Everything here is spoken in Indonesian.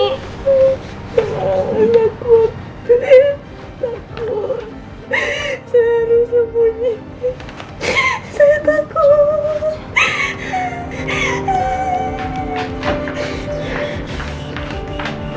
saya takut saya takut saya harus sembunyi saya takut